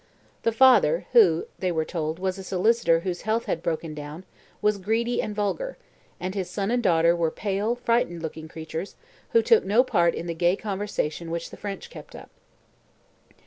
The father, who, they were told, was a solicitor whose health had broken down, was greedy and vulgar, and his son and daughter were pale, frightened looking creatures, who took no part in the gay conversation which the French kept up.